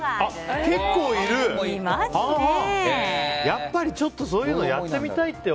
やっぱり、ちょっとそういうのやってみたいって